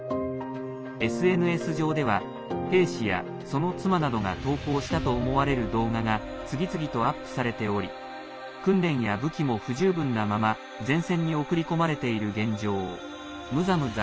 ＳＮＳ上では、兵士やその妻などが投稿したと思われる動画が次々とアップされており訓練や武器も不十分なまま前線に送り込まれている現状をむざむざ